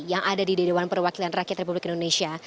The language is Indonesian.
yang ada di dewan perwakilan rakyat republik indonesia